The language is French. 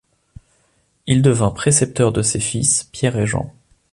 Il devint précepteur de ses fils Pierre et Jean.